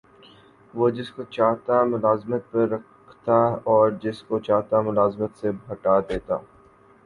وہ جس کو چاہتا ملازمت پر رکھتا اور جس کو چاہتا ملازمت سے ہٹا دیتا